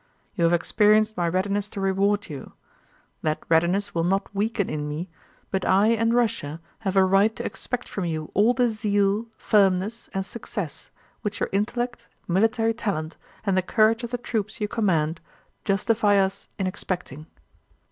You have experienced my readiness to reward you. That readiness will not weaken in me, but I and Russia have a right to expect from you all the zeal, firmness, and success which your intellect, military talent, and the courage of the troops you command justify us in expecting.